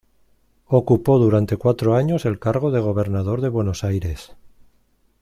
Ocupó durante cuatro años el cargo de gobernador de Buenos Aires.